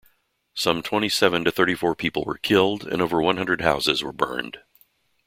Some twenty-seven to thirty-four people were killed and over one hundred houses were burned.